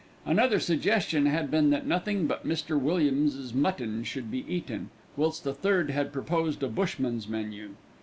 Another suggestion had been that nothing but Mr. Williams's mutton should be eaten, whilst a third had proposed a bushman's menu.